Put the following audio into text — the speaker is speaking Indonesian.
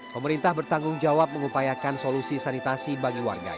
pemerintah bertanggung jawab mengupayakan solusi sanitasi bagi warga